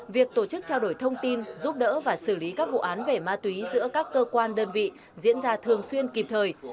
việc tổ chức trao đổi thông tin giúp đỡ và xử lý các vụ án về ma túy giữa các cơ quan đơn vị diễn ra thường xuyên kịp thời